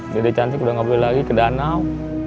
dede cantik udah nggak boleh lagi ke danau